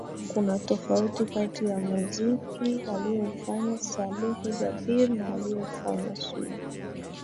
Kuna tofauti kati ya muziki aliofanya Saleh Jabir na aliofanya Sugu